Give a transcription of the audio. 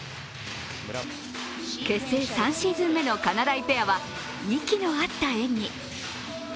結成３シーズン目のかなだいペアは息の合った演技。